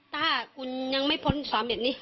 ถ้ากูยังไม่ป้นวัน๓๑นี้